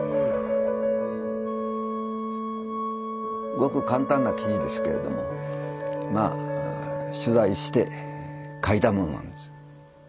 ごく簡単な記事ですけれどもまあ取材して書いたものなんです。